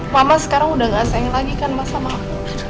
mama sekarang udah gak sayang lagi kan sama aku